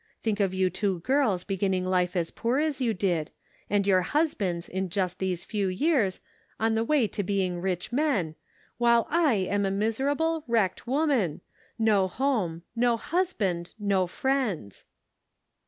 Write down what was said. Think of you two girls beginning life as poor as }rou did ; and your husbands, in just these few years, on the way to being rich men, while I am a miserable, wrecked woman, no home, no husband, no friends."